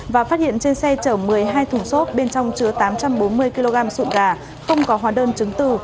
và phát hiện trên xe chở một mươi hai thùng xốp bên trong chứa tám trăm bốn mươi kg sụn gà không có hóa đơn chứng từ